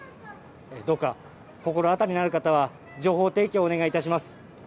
どうか心当たりのある方は、情報提供をお願いいたします。